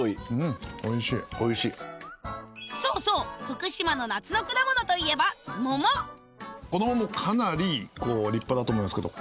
そうそう福島の夏の果物といえばこの桃かなり立派だと思うんですけど。